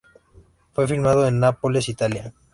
Fue filmado en Nápoles, Italia.